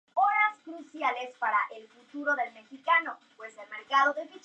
Los tres profesores decidieron volver a ver los objetos y descubrir su identidad.